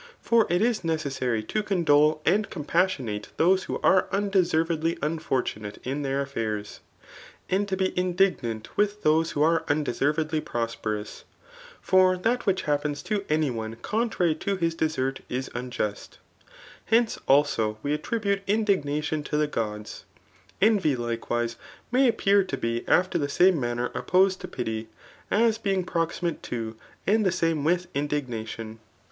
' For it is necessary tp condole aod cpmpassioi^e those who are undes^vedly unfortunate in their afiaifs ; and to be indignant with, thdse^ho, ar^ undeservedly prosperous. For that which happens, to any one contrary to his desert is unjust. Hence, also, ,we att; ribute indignation to the gods; Envy, hkewfee» may appear to be after the sam^ manner opposed to pityir as being proximate to ^d the same with indignat^piu .